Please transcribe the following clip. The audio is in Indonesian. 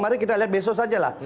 mari kita lihat besok saja lah